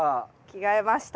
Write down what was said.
着替えました。